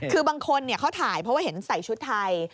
คือบางคนเขาถ่ายเพราะว่าเห็นใส่ชุดไทย